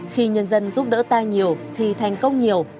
khi nhân dân giúp đỡ ta nhiều thì thành công nhiều